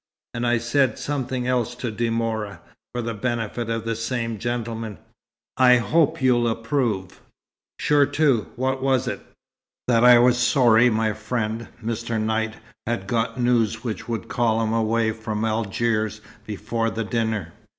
And I said something else to De Mora, for the benefit of the same gentleman. I hope you'll approve." "Sure to. What was it?" "That I was sorry my friend, Mr. Knight, had got news which would call him away from Algiers before the dinner.